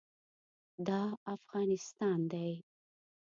دا افغانستان دی.